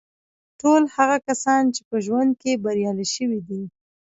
ټول هغه کسان چې په ژوند کې بریالي شوي دي